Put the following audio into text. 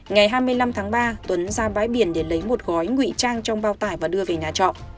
ngày hai mươi năm tháng ba tuấn ra bãi biển để lấy một gói nguy trang trong bao tải và đưa về nhà trọ